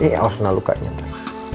eh awas nalukanya ntar